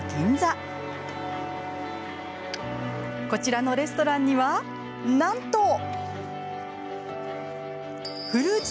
こちらのレストランにはなんと！